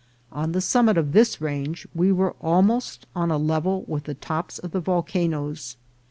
On the summit of this range we were almost on a level with the tops of the volcanoes.